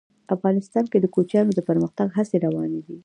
افغانستان کې د کوچیانو د پرمختګ هڅې روانې دي.